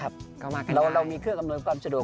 เรามีเครื่องอำนวยความสะดวก